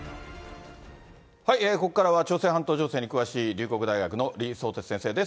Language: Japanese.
ここからは朝鮮半島情勢に詳しい、龍谷大学の李相哲先生です。